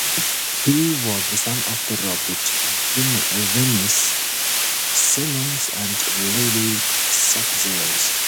He was the son of Robert Wemyss Symonds and Lily Sapzells.